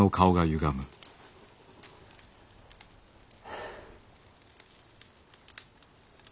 はあ。